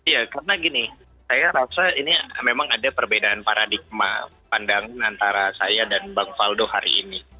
ya karena gini saya rasa ini memang ada perbedaan paradigma pandangan antara saya dan bang faldo hari ini